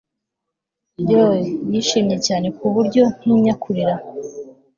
yoo! yishimye cyane, ku buryo ntinya kurira